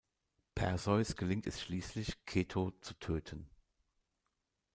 Perseus gelingt es schließlich, Keto zu töten.